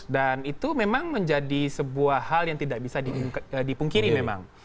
dan itu memang menjadi sebuah hal yang tidak bisa dipungkiri memang